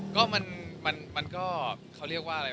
ก็มันก็เขาเรียกว่าอะไร